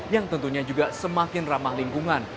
yang tentunya juga semakin ramah lingkungan